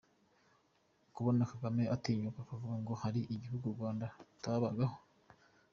Kubona Kagame atinyuka kuvuga ngo hari igihe u Rwanda rutabagaho ?